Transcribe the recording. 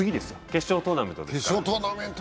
決勝トーナメントですから。